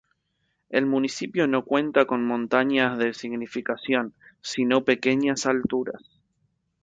El Municipio no cuenta con montañas de significación, sino pequeñas alturas.